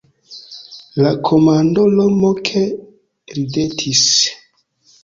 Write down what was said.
La komandoro moke ridetis.